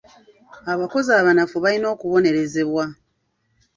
Abakozi abanafu balina okubonerezebwa.